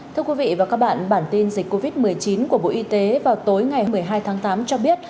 thưa quý vị và các bạn bản tin dịch covid một mươi chín của bộ y tế vào tối ngày một mươi hai tháng tám cho biết